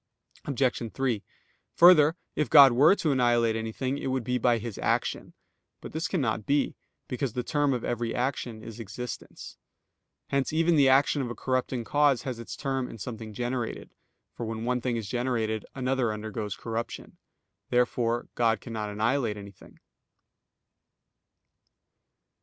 Obj. 3: Further, if God were to annihilate anything it would be by His action. But this cannot be; because the term of every action is existence. Hence even the action of a corrupting cause has its term in something generated; for when one thing is generated another undergoes corruption. Therefore God cannot annihilate anything.